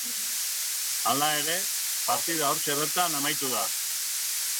Hala ere, partida hortxe bertan amaitu da.